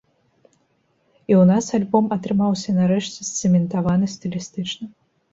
І ў нас альбом атрымаўся нарэшце сцэментаваны стылістычна.